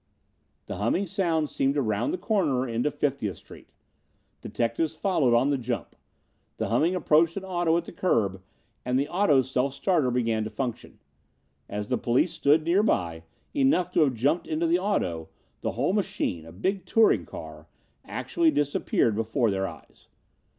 The humming sound seemed to round the corner into 50th Street. Detectives followed on the jump. The humming approached an auto at the curb and the auto's self starter began to function. As the police stood near by, enough to have jumped into the auto, the whole machine, a big touring car, actually disappeared before their eyes.